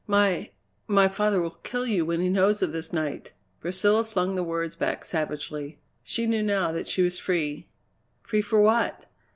"My my father will kill you when he knows of this night!" Priscilla flung the words back savagely. She knew now that she was free free for what?